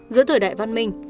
giữa thời đại văn minh